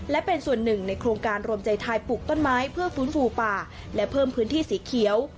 และเป็นส่วนหนึ่งในโครงการรวมใจไทยปลูกต้นไม้เพื่อฟื้นฟูป่าและเพิ่มพื้นที่สีเขียว